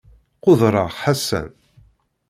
Qudreɣ Ḥasan.